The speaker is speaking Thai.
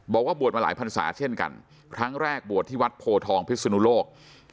บอกว่าบวชมาหลายพันศาเช่นกันครั้งแรกบวชที่วัดโพทองพิศนุโลก